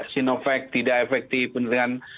sinovac tidak efektif dengan